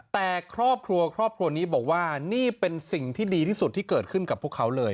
แต่ครอบครัวครอบครัวนี้บอกว่านี่เป็นสิ่งที่ดีที่สุดที่เกิดขึ้นกับพวกเขาเลย